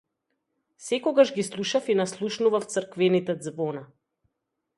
Секогаш ги слушав и наслушував црквените ѕвона.